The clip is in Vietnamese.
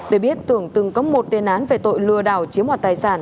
để biết tường từng có một tiền án về tội lừa đảo chiếm hoạt tài sản